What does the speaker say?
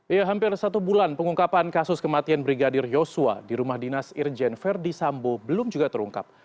ya hampir satu bulan pengungkapan kasus kematian brigadir yosua di rumah dinas irjen verdi sambo belum juga terungkap